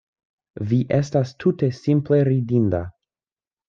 Vi estas tute simple ridinda.